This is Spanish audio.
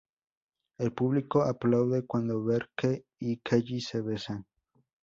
El público aplaude cuando Berke y Kelly se besan.